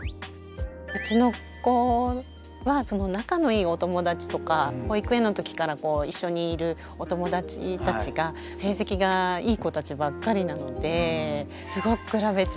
うちの子は仲のいいお友達とか保育園の時から一緒にいるお友達たちが成績がいい子たちばっかりなのですごく比べちゃいます。